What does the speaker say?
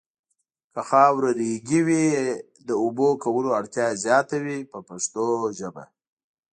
که خاوره ریګي وي د اوبو کولو اړتیا یې زیاته وي په پښتو ژبه.